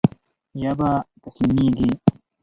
يا به تسليمېږي.